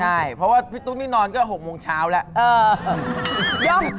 ใช่เพราะว่าพี่ตุ๊กนี่นอนก็๖โมงเช้าแล้ว